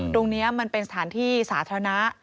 ตรงนี้มันเป็นสถานที่สาธารณะ